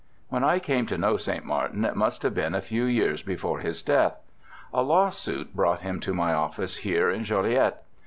When I came to know St. Martin it must have been a few years before his death. A lawsuit brought him to my office here in Joliette.